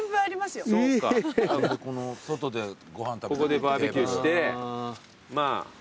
ここでバーベキューしてまあ